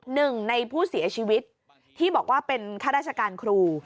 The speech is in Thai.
หนึ่งในผู้เสียชีวิตที่บอกว่าเป็นข้าราชการครู